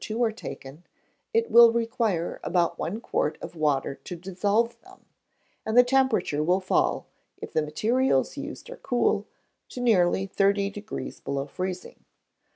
2 are taken, it will require about one quart of water to dissolve them, and the temperature will fall, if the materials used are cool, to nearly thirty degrees below freezing.